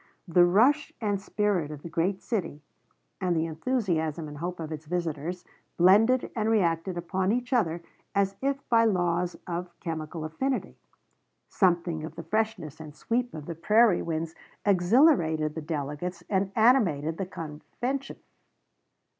The rush and spirit of the great city, and the enthusiasm and hope of its visitors, blended and reacted upon each other as if by laws of chemical affinity. Something of the freshness and sweep of the prairie winds exhilarated the delegates and animated the convention.